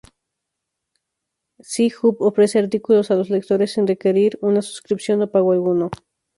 Sci-Hub ofrece artículos a los lectores sin requerir una suscripción o pago alguno.